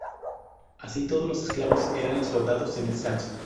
Así todos los esclavos eran explotados sin descanso.